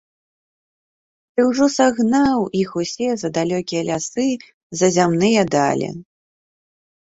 Ды ўжо сагнаў іх усе за далёкія лясы, за зямныя далі.